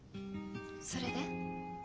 それで？